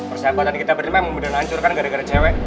persahabatan yang kita berima emang beneran hancur kan gara gara cewe